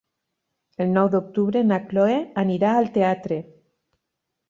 El nou d'octubre na Chloé anirà al teatre.